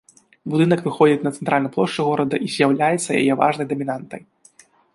Будынак выходзіць на цэнтральную плошчу горада і з'яўляецца яе важнай дамінантай.